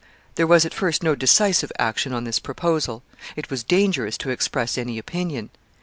There was at first no decisive action on this proposal. It was dangerous to express any opinion.